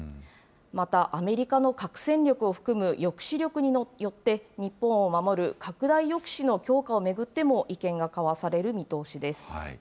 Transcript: また、アメリカの核戦力を含む抑止力によって日本を守る拡大抑止の強化を巡っても意見が交わされる見通しです。